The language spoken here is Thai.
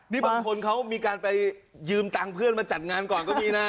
นี่บางคนเขามีการไปยืมตังค์เพื่อนมาจัดงานก่อนก็มีนะ